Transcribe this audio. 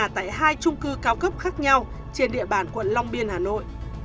tại hai trung cư cao cấp khác nhau trên địa bàn quận long biên hà nội